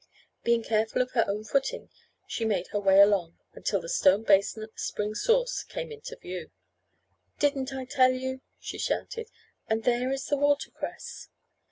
Being careful of her own footing she made her way along, until the stone basin at the spring source came into view. "Didn't I tell you?" she shouted. "And there is the watercress!"